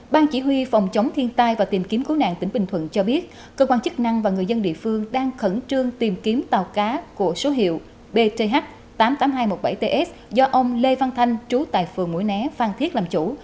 ban chỉ huy phòng chống thiên tai và tìm kiếm cứu nạn tỉnh bình thuận cho biết cơ quan chức năng và người dân địa phương đang khẩn trương tìm kiếm tàu cá của số hiệu bth tám nghìn hai trăm một mươi bảy ts do ông lê văn thanh trú tại phường mũi né phan thiết làm chủ